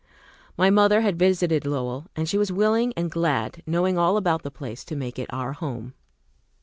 My mother had visited Lowell, and she was willing and glad, knowing all about the place, to make it our home.